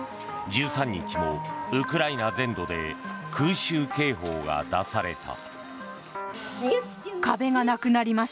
１３日もウクライナ全土で空襲警報が出された。